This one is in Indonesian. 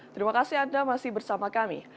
terima kasih anda masih bersama kami